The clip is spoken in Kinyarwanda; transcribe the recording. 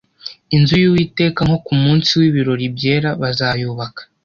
inzu y Uwiteka nko ku munsi w ibirori byera bazayubaka